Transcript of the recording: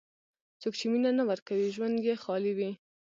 څوک چې مینه نه ورکوي، ژوند یې خالي وي.